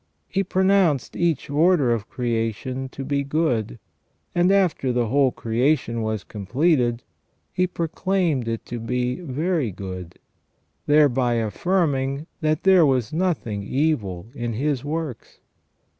He pronounced each order' of creation to be "good," and after the whole creation was completed, He pro claimed it to be "very good," thereby affirming that there was nothing evil in His works.